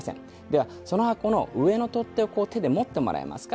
ではその箱の上の取っ手を手で持ってもらえますか？